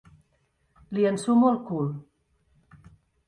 Li ensumo el cul.